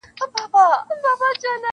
شپه د چيغو شاهده وي-